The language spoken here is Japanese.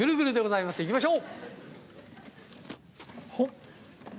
いきましょう。